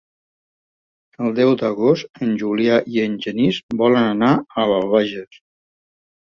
El deu d'agost en Julià i en Genís volen anar a l'Albagés.